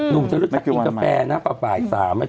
นุ่มจะฆ่ากินกาแฟน่ะปแป่า๓บ